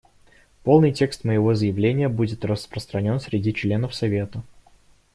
Полный текст моего заявления будет распространен среди членов Совета.